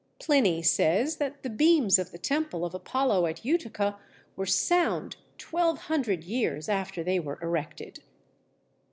Pliny says that the beams of the temple of Apollo at Utica were sound 1200 years after they were erected.